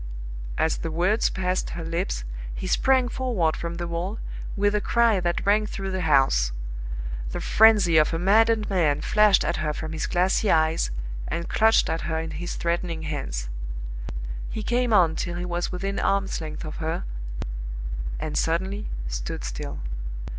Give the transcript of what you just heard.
As the words passed her lips, he sprang forward from the wall, with a cry that rang through the house. The frenzy of a maddened man flashed at her from his glassy eyes, and clutched at her in his threatening hands. He came on till he was within arms length of her and suddenly stood still.